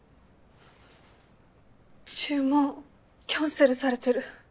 注文キャンセルされてる。